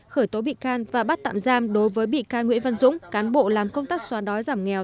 khởi tố bị can và bắt tạm giam đối với bị can nguyễn văn dũng cán bộ làm công tác xóa đói giảm nghèo